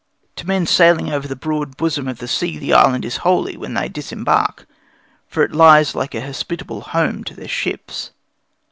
To men sailing over the broad bosom of the sea the island is holy when they disembark, for it lies like a hospitable home to their ships.